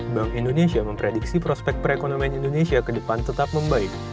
bank indonesia memprediksi prospek perekonomian indonesia ke depan tetap membaik